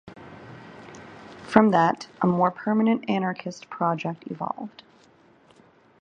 From that, a more permanent anarchist project evolved.